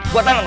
gua tanem lu